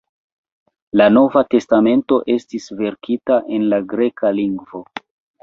La Nova Testamento estis verkita en la greka lingvo.